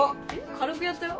軽くやったよ？